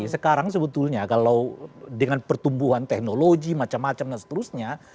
sekarang sebetulnya kalau dengan pertumbuhan teknologi macam macam dan seterusnya